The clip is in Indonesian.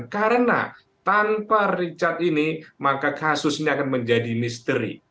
karena tanpa richard ini maka kasus ini akan menjadi misteri